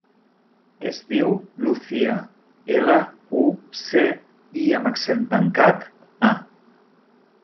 Es diu Lucía: ela, u, ce, i amb accent tancat, a.